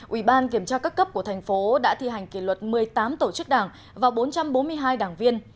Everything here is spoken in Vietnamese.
ủy ban kiểm tra các cấp của thành phố đã thi hành kỷ luật một mươi tám tổ chức đảng và bốn trăm bốn mươi hai đảng viên